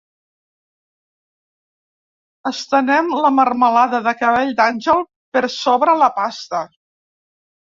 Estenem la melmelada de cabell d’àngel per sobre la pasta.